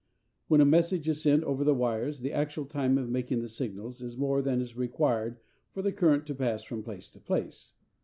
When a message is sent over the wires, the actual time of making the signals is more than is required for the current to pass from place to place.